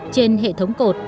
trên hệ thống cột